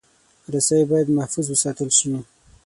رسۍ باید محفوظ وساتل شي.